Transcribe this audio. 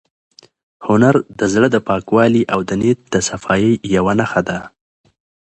هنر د زړه د پاکوالي او د نیت د صفایۍ یوه نښه ده.